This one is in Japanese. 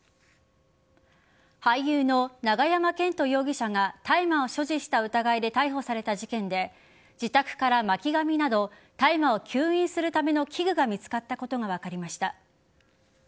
俳優の永山絢斗容疑者が大麻を所持した疑いで逮捕された事件で自宅から巻紙など大麻を吸引するための器具が見つかったことが分かりました。